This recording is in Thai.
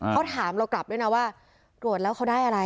เขาถามเรากลับด้วยนะว่าตรวจแล้วเขาได้อะไร